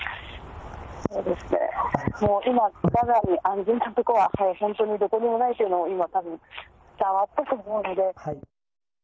そうですね、もう今、ガザに安全な所は本当にどこにもないというのは今、たぶん伝わったと思うんで。